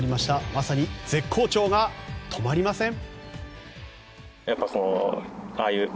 まさに絶好調が止まりません。